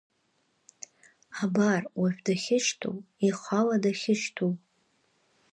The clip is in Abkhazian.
Абар, уажә дахьышьҭоу, ихала дахьышьҭоу.